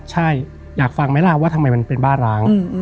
ใช่อยากฟังไหมล่ะว่าทำไมมันเป็นบ้านร้าง